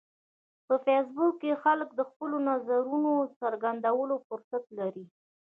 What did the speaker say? په فېسبوک کې خلک د خپلو نظرونو د څرګندولو فرصت لري